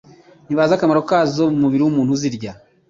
ntibazi akamaro kazo mu mubiri w'umuntu uzirya.